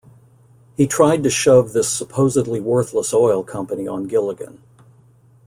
He tried to shove this supposedly worthless oil company on Gilligan.